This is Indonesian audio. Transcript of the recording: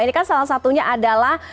ini kan salah satunya adalah